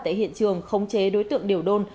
tại hiện trường khống chế đối tượng điều đôn